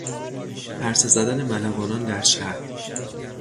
پرسه زدن ملوانان در شهر